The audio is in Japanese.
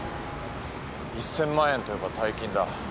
１，０００万円といえば大金だ。